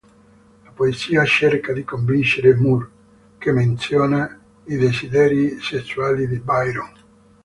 La poesia cerca di convincere Moore, che menziona i desideri sessuali di Byron.